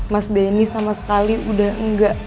mas denny sama sekali udah enggak